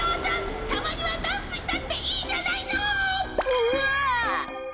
うわ。